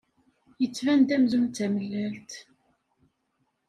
Yettban-d amzun d tamellalt.